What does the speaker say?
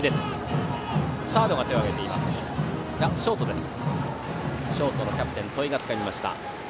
ショートのキャプテン戸井がつかみました。